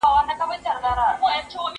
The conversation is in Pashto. دا قلمان له هغو پاک دي!